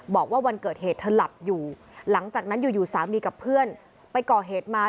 บอกว่าวันเกิดเหตุเธอหลับอยู่หลังจากนั้นอยู่สามีกับเพื่อนไปก่อเหตุมา